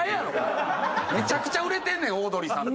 めちゃくちゃ売れてんねんオードリーさんって。